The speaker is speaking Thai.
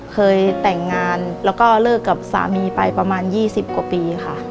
เคยแต่งงานแล้วก็เลิกกับสามีไปประมาณ๒๐กว่าปีค่ะ